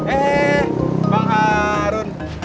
eh bang harun